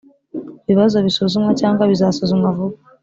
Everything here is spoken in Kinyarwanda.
bibazo bisuzumwa cyangwa bizasuzumwa vuba